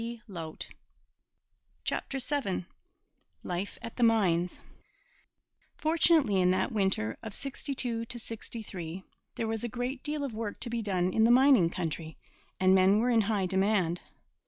CHAPTER VII LIFE AT THE MINES Fortunately, in that winter of '62 '63, there was a great deal of work to be done in the mining country, and men were in high demand.